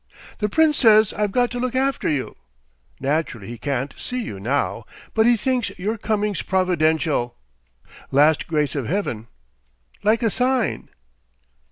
"The Prince says I've got to look after you. Naturally he can't see you now, but he thinks your coming's providential. Last grace of Heaven. Like a sign.